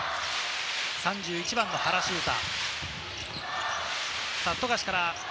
３１番の原修太。